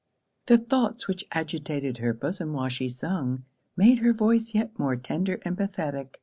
The thoughts which agitated her bosom while she sung, made her voice yet more tender and pathetic.